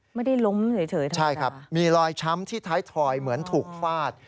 ไม่ได้ล้มเฉยนะใช่ครับมีรอยช้ำที่ท้ายถอยเหมือนถูกฟาด